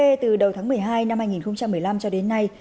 e từ đầu tháng một mươi hai năm hai nghìn một mươi năm cho đến nay